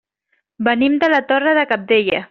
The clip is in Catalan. Venim de la Torre de Cabdella.